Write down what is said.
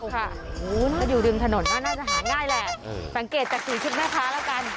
ถ้าอยู่ดึงถนนก็น่าจะหาง่ายแหละสังเกตจากสี่ชุดหน้าค้าแล้วกัน